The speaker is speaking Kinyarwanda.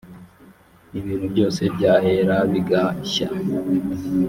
ibintu byose by ahera bigashya